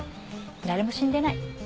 誰も死んでない。